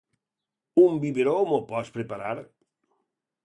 Un biberó, m'ho pots preparar?